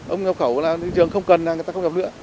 ông nhập khẩu là thị trường không cần là người ta không gặp nữa